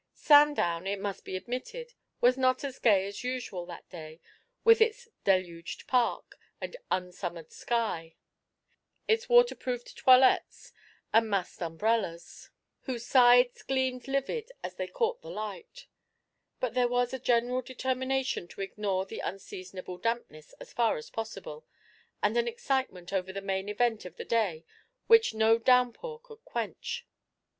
Sandown, it must be admitted, was not as gay as usual that day, with its 'deluged park' and 'unsummer'd sky,' its waterproofed toilettes and massed umbrellas, whose sides gleamed livid as they caught the light but there was a general determination to ignore the unseasonable dampness as far as possible, and an excitement over the main event of the day which no downpour could quench.